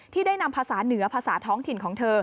ได้นำภาษาเหนือภาษาท้องถิ่นของเธอ